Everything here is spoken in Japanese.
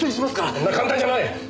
そんな簡単じゃない！